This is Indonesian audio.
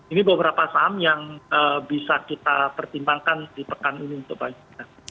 ini beberapa saham yang bisa kita pertimbangkan di pekan ini untuk banyak